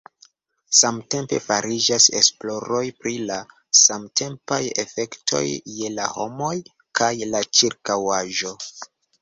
Samtempe fariĝas esploroj pri la samtempaj efektoj je la homoj kaj la ĉirkaŭaĵo.